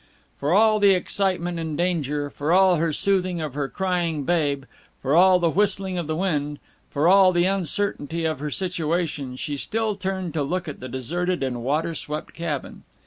For all the excitement and danger, for all her soothing of her crying babe, for all the whistling of the wind, for all the uncertainty of her situation, she still turned to look at the deserted and water swept cabin.